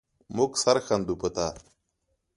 مونږ سر ښندو په تا